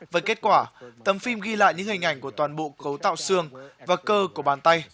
với kết quả tấm phim ghi lại những hình ảnh của toàn bộ cấu tạo xương và cơ của bàn tay